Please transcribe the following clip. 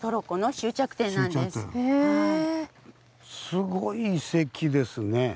すごい遺跡ですね。